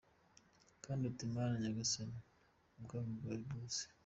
Kandi uti Mana Nyagasani, ubwami bwawe buze.